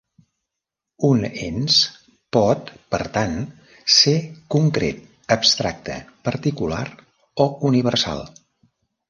Un ens pot per tant ser concret, abstracte, particular o universal.